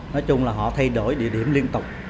nói chung là họ thay đổi địa điểm liên tục